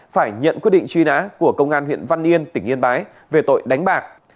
phải nhận quyết định truy nã của công an huyện văn yên tỉnh yên bái về tội đánh bạc